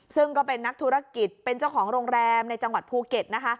ซึ่งก็เป็นนักธุรกิจเป็นเจ้าของโรงแรมในจังหวัดภูเก็ตนะคะ